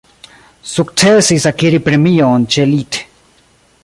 Sukcesis akiri premion ĉe lit.